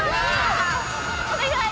お願い。